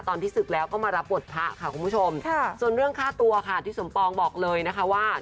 ศึกแล้วก็มารับบทพระค่ะคุณผู้ชมส่วนเรื่องค่าตัวค่ะที่สมปองบอกเลยนะคะว่า